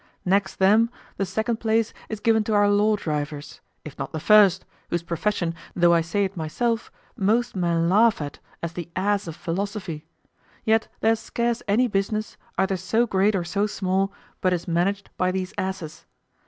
Next them, the second place is given to our law drivers, if not the first, whose profession, though I say it myself, most men laugh at as the ass of philosophy; yet there's scarce any business, either so great or so small, but is managed by these asses.